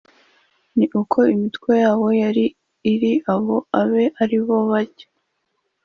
Nk uko imitwe yabo yari iri abo abe ari bo bajya